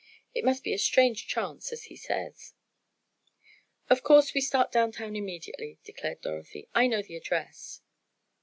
It must be a strange chance, as he says." "Of course we start down town immediately," declared Dorothy, "I know the address."